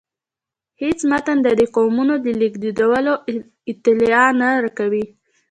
هیڅ متن د دې قومونو د لیږدیدلو اطلاع نه راکوي.